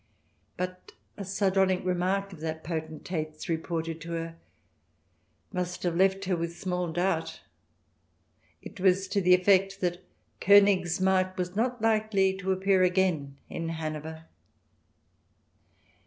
But a sardonic remark of that potentate's, reported to her, must have left her with small doubt. It was to the effect that Konigsmarck was not likely to appear again in Hanover.